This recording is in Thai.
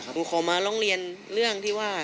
หนูขอมาร้องเรียนเรื่องที่ว่า